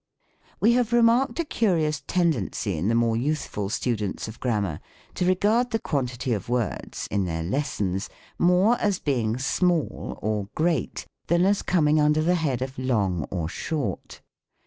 We have remarked a curious tendency in the more youthful students of Grammar to regard the quantity of words (in their lessons) more as being "small" or "great" than as coming under the head of " long" or " short."